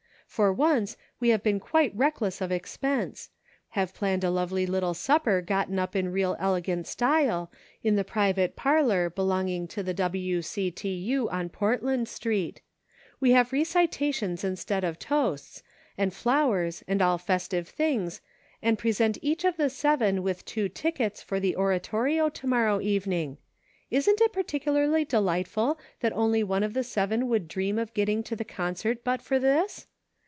For once, we have been quite reckless of expense ; have planned a lovely little supper gotten up in real elegant style, in the private parlor belonging to the W. C. T. U., on Portland Street. We have recitations instead of toasts, and flowers, and all festive things, and present each of the seven with two tickets for the Oratorio to morrow evening. Isn't it particu larly delightful that only one of the seven would dream of getting to the concert but for this